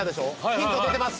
ヒント出てます。